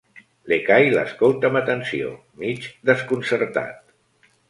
L'Ekahi l'escolta amb atenció, mig desconcertat.